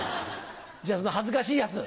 じゃあその恥ずかしいやつ。